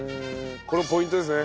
これもポイントですね。